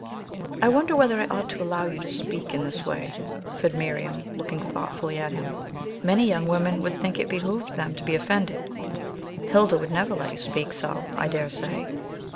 "I wonder whether I ought to allow you to speak in this way," said Miriam, looking thoughtfully at him. "Many young women would think it behooved them to be offended. Hilda would never let you speak so, I dare say.